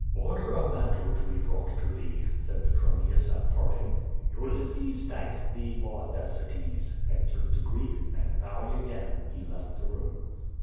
"Order a mantle to be brought to thee," said Petronius at parting. "Ulysses thanks thee for Thersites," answered the Greek, and bowing again, he left the room.